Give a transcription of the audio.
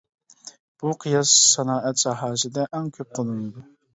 بۇ قىياس سانائەت ساھەسىدە ئەڭ كۆپ قوللىنىدۇ.